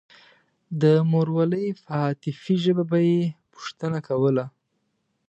د مورولۍ په عاطفي ژبه به يې پوښتنه کوله.